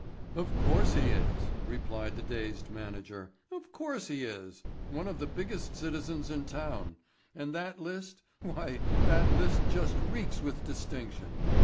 "Of course he is," replied the dazed manager. "Of course he is—one of the biggest citizens in town. And that list—why that list just reeks with distinction.